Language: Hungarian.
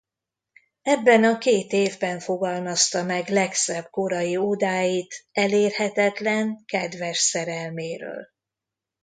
Ebben a két évben fogalmazta meg legszebb korai ódáit elérhetetlen kedves szerelméről.